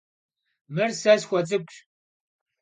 Mır se sxuets'ık'uş.